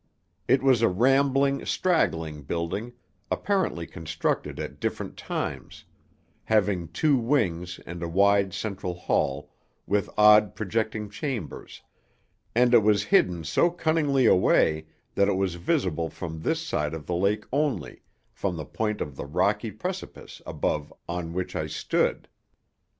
It was a rambling, straggling building, apparently constructed at different times; having two wings and a wide central hall, with odd projecting chambers, and it was hidden so cunningly away that it was visible from this side of the lake only from the point of the rocky precipice above on which I stood.